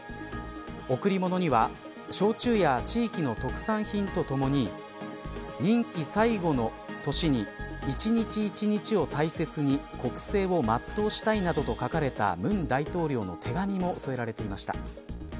贈り物には、焼酎や地域の特産品とともに任期最後の年に１日１日を大切に国政を全うしたいなどと書かれた文大統領の手紙も添えられていました。